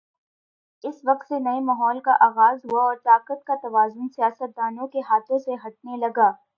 اس وقت سے نئے ماحول کا آغاز ہوا اور طاقت کا توازن سیاستدانوں کے ہاتھوں سے ہٹنے لگا۔